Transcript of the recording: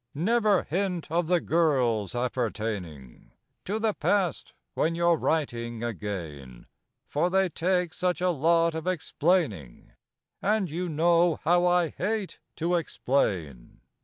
Never hint of the girls appertaining To the past (when you're writing again), For they take such a lot of explaining, And you know how I hate to explain.